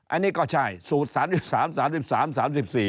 อันนี้ก็ใช่สูตร๓๓๔